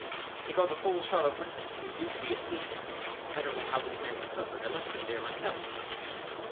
"He got a full shot of lethane and he's due to be asleep yet. I don't know how this man recovered. I left him there myself."